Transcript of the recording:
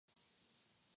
语言创建会议主办。